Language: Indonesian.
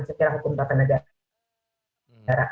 sekiranya hukum tak penegakan